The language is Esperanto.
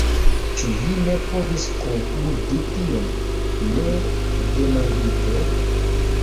« Ĉu vi ne povis konkludi tion, ne demandinte?"